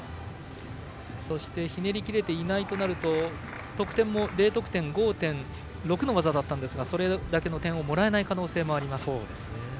そしてひねり切れていないとなるとＤ得点、５．６の技ですがそれだけの点をもらえない可能性もあります。